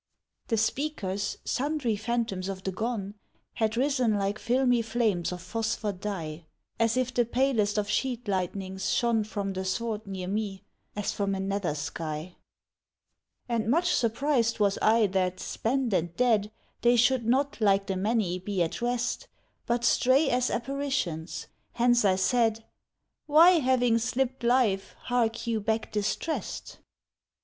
The speakers, sundry phantoms of the gone, Had risen like filmy flames of phosphor dye, As if the palest of sheet lightnings shone From the sward near me, as from a nether sky. And much surprised was I that, spent and dead, They should not, like the many, be at rest, But stray as apparitions; hence I said, "Why, having slipped life, hark you back distressed?